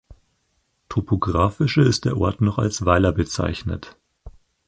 Topographische ist der Ort noch als Weiler bezeichnet.